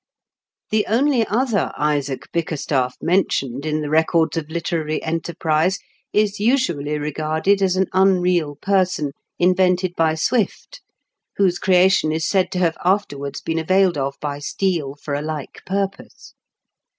The only other Isaac Bickerstaflf mentioned in the records of literary enterprise is usually regarded as an unreal person, invented by Swift,, whose creation is said to have after wards been availed of by Steele for a like purpose.